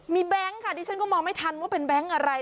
มีแบงค์ค่ะดิฉันก็มองไม่ทันว่าเป็นแบงค์อะไร